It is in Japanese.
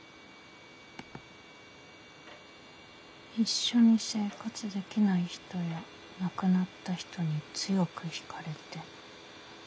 「一緒に生活できない人や亡くなった人に強く惹かれて切なく思うこと。